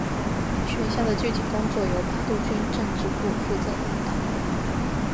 学校的具体工作由八路军政治部负责领导。